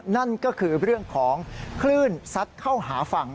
นั่นก็คือเรื่องของคลื่นซัดเข้าหาฝั่ง